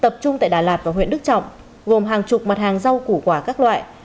tập trung tại đà lạt và huyện đức trọng gồm hàng chục mặt hàng rau củ quả các loại